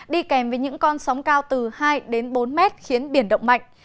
đi kèm với những con sóng cao từ hai đến bốn mét khiến biển động mạnh